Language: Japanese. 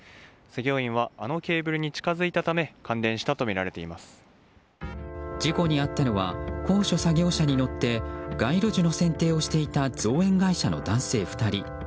作業員はあのケーブルに近づいたため事故に遭ったのは高所作業車に乗って街路樹の剪定をしていた造園会社の男性２人。